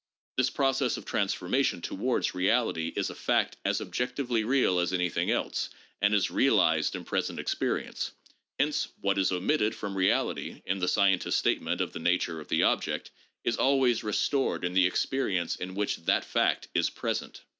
This process of transformation towards reality is a fact " as objectively real as anything else," and is " realized in present experience." Hence " what is omitted from reality " in the scientist's statement of the nature of the object " is always restored in the experience in which " that fact " is present."